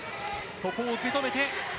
そこを受け止めて。